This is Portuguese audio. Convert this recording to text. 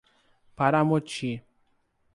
Paramoti